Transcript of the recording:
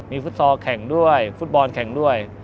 มีฟุตซอลแข่งด้วยฟุตบอลแข่งด้วย